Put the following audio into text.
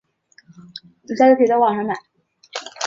现今此楼为大连市民政局下属大连慈善总会的办公楼。